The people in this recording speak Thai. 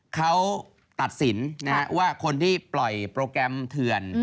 เขาตัดสินว่าคนที่ปล่อยโปรแกรมเถื่อน